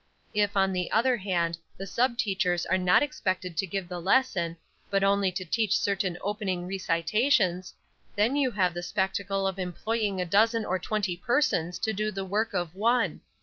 "If, on the other hand, the sub teachers are not expected to give the lesson, but only to teach certain opening recitations, then you have the spectacle of employing a dozen or twenty persons to do the work of one.